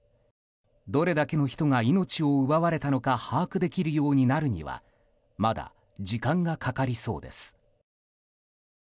どれだけの人が命を奪われたのか把握できるようになるにはまだ時間がかかりそうです。